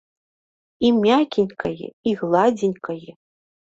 І мякенькае і гладзенькае.